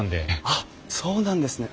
あっそうなんですね。